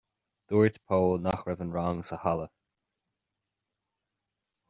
Dúirt Pól nach raibh an rang sa halla.